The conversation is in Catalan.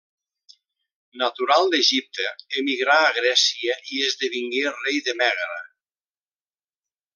Natural d'Egipte, emigrà a Grècia i esdevingué rei de Mègara.